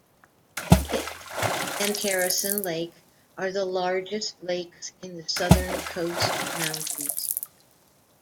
It and Harrison Lake are the largest lakes in the southern Coast Mountains.